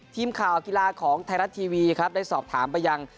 ทีมข่าวกีฬาของไทยรัฐทีวีครับได้สอบถามไปยัง